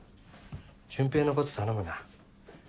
順平のこと頼むな。